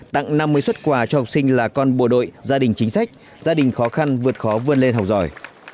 tặng năm mươi xuất quà cho học sinh là con bộ đội gia đình chính sách gia đình khó khăn vượt khó vươn lên học giỏi